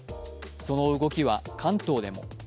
その動きは関東でも。